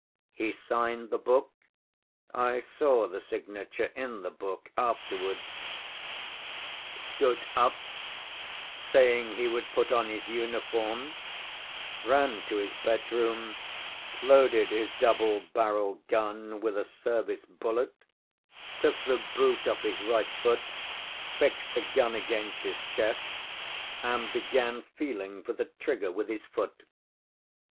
He signed the book (I saw the signature in the book afterwards), stood up, saying he would put on his uniform, ran to his bedroom, loaded his double‐barreled gun with a service bullet, took the boot off his right foot, fixed the gun against his chest, and began feeling for the trigger with his foot.